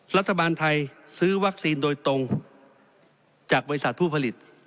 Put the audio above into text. รัฐบาลไทยซื้อวัคซีนโดยตรงจากบริษัทผู้ผลิต